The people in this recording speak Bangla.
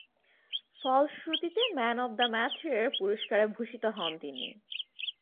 ফলশ্রুতিতে ম্যান অব দ্য ম্যাচের পুরস্কারে ভূষিত হন তিনি।